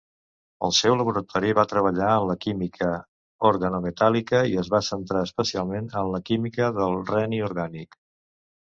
El seu laboratori va treballar en la química organometàl·lica, i es va centrar especialment en la química del reni orgànic.